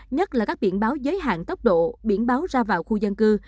nhất là các biển báo giới hạn tốc độ biển báo ra vào khu dân cư